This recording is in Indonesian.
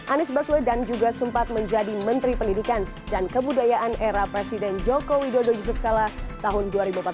anies baswedan juga sempat menjadi menteri pendidikan dan kebudayaan era presiden joko widodo yusuf kala tahun dua ribu empat belas